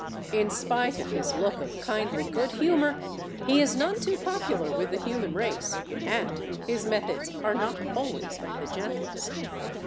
In spite of his look of kindly good humor, he is none too popular with the human race and his methods are not always of the gentlest.